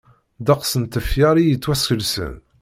Ddeqs n tefyar i yettwaskelsen.